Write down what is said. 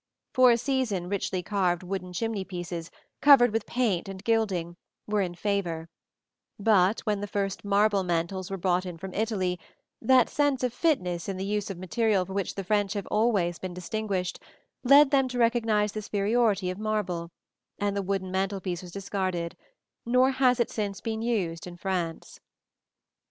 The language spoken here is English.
For a season richly carved wooden chimney pieces, covered with paint and gilding, were in favor; but when the first marble mantels were brought from Italy, that sense of fitness in the use of material for which the French have always been distinguished, led them to recognize the superiority of marble, and the wooden mantel piece was discarded: nor has it since been used in France.